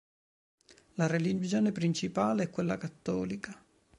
La religione principale è quella cattolica.